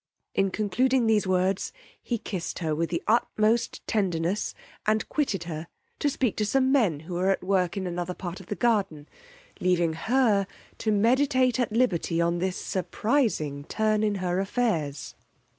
In concluding these words he kissed her with the utmost tenderness, and quitted her to speak to some men who were at work in another part of the garden, leaving her to meditate at liberty on this surprizing turn in her affairs.